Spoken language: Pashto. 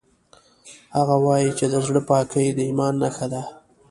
هغه وایي چې د زړه پاکۍ د ایمان نښه ده